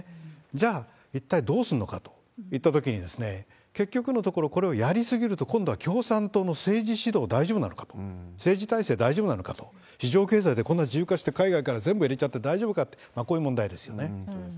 じゃあ、一体どうすんのかといったときに、結局のところ、これをやり過ぎると、今度は共産党の政治指導大丈夫なのかと、政治体制大丈夫なのかと、市場経済でこんな自由化して、海外から全部入れちゃって大丈夫かそうですね。